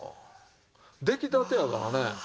出来たてやからね。